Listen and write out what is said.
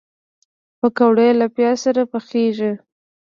پکورې له پیاز سره پخېږي